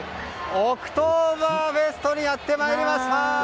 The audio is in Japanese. オクトーバーフェストにやってまいりました！